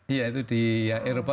iya itu di eropa